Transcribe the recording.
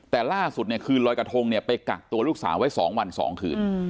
แต่ล่าสุดเนี่ยคืนลอยกระทงเนี่ยไปกักตัวลูกสาวไว้๒วัน๒คืน